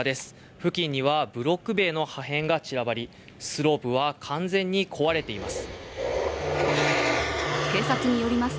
付近にはブロック塀の破片が散らばりスロープは完全に壊れています。